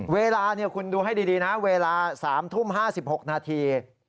เวลาคุณดูให้ดีนะเวลา๓ทุ่ม๕๖นาที